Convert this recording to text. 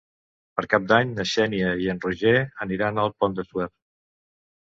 Per Cap d'Any na Xènia i en Roger aniran al Pont de Suert.